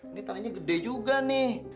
ini tanahnya gede juga nih